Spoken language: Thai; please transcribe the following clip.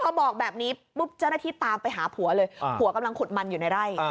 พอบอกแบบนี้ปุ๊บเจ้าหน้าที่ตามไปหาผัวเลยผัวกำลังขุดมันอยู่ในไร่